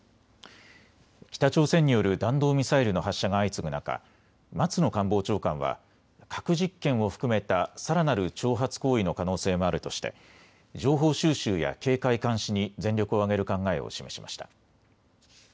北朝鮮による弾道ミサイルの発射が相次ぐ中、松野官房長官は核実験を含めたさらなる挑発行為の可能性もあるとして情報収集や警戒監視に全力を挙げる考えを示しました。